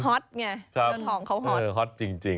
ฮอตเนี่ยเจ้าทองเขาฮอต